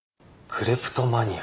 クレプトマニア？